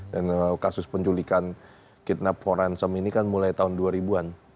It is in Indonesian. dan kasus penculikan kidnap forensum ini kan mulai tahun dua ribu an